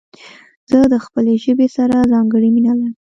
زه د خپلي ژبي سره ځانګړي مينه لرم.